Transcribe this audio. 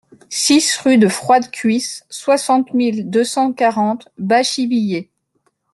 six rue de Froide Cuisse, soixante mille deux cent quarante Bachivillers